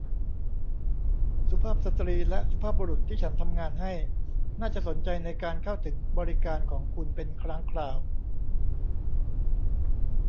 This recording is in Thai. สุภาพสตรีและสุภาพบุรุษที่ฉันทำงานให้ น่าจะสนใจในการเข้าถึงบริการของคุณเป็นครั้งคราว